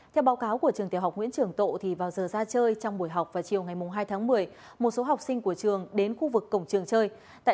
theo báo cáo của trường tiểu học nguyễn trường tộ vào giờ ra chơi trong buổi học vào chiều ngày hai tháng một mươi một số học sinh của trường đến khu vực cổng trường chơi